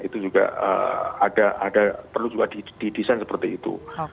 itu juga perlu didesain seperti itu